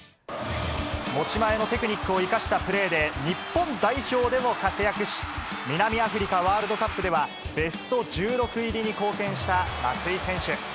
持ち前のテクニックを生かしたプレーで、日本代表でも活躍し、南アフリカワールドカップでは、ベスト１６入りに貢献した松井選手。